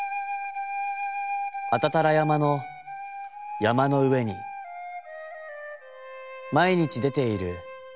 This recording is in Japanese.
阿多多羅山の山の上に毎日出てゐる